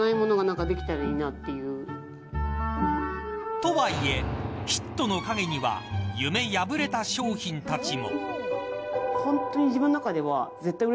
とはいえ、ヒットの影には夢破れた商品たちも。